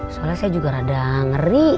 soalnya saya juga rada ngeri